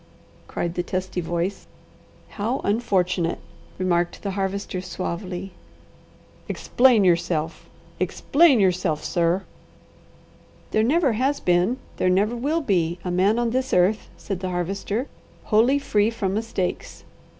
cried the testy voice. "How unfortunate!" remarked the Harvester suavely. "Explain yourself! Explain yourself, sir!" "There never has been, there never will be, a man on this earth," said the Harvester, "wholly free from mistakes.